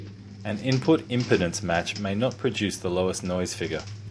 An input impedance match may not produce the lowest noise figure.